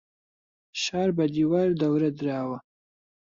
شار بە دیوار دەورە دراوە.